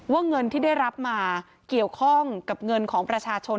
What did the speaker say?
เงินที่ได้รับมาเกี่ยวข้องกับเงินของประชาชน